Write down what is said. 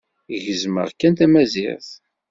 Gezzmeɣ kan tamazirt.